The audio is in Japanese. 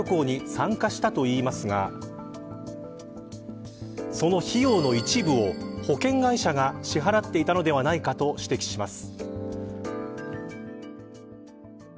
この報奨旅行に参加したといいますがその費用の一部を、保険会社が支払っていたのではないかと指摘します。